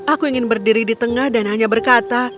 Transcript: aku ingin berdiri di tengah dan hanya berkata